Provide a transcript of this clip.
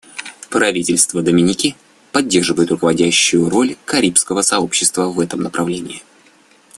Правительство Доминики поддерживает руководящую роль Карибского сообщества в этом направлении.